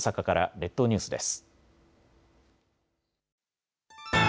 列島ニュースです。